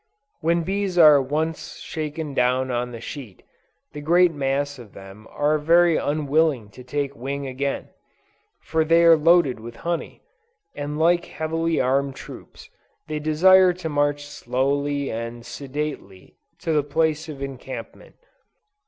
When bees are once shaken down on the sheet, the great mass of them are very unwilling to take wing again; for they are loaded with honey, and like heavily armed troops, they desire to march slowly and sedately to the place of encampment.